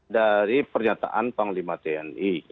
dari pernyataan panglima tni